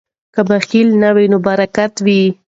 که بخل نه وي نو برکت وي.